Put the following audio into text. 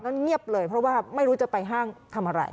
เงียบเลยเพราะว่าไม่รู้จะไปห้างทำอะไร